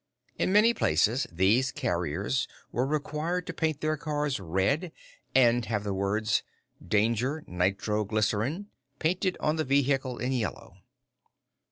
In many places these carriers were required to paint their cars red, and have the words Danger Nitroglycerine painted on the vehicle in yellow.